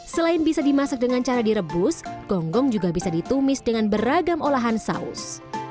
selain bisa dimasak dengan cara direbus gonggong juga bisa ditumis dengan beragam olahan saus